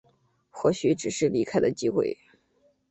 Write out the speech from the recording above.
或许只是离开的机会